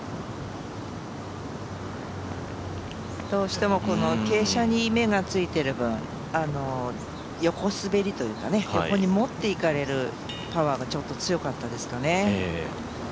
どうしても傾斜に目がついている分、横滑りというか、横にもっていかれるパワーがちょっと強かったですかね。